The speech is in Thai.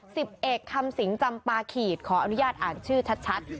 สิบเอกคำสิงจำปาขีดขออนุญาตอ่านชื่อชัด